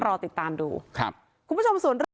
มีกี่รูปในประเทศไทย